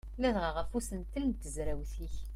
Ladɣa ɣef usentel n tezrawt-ik.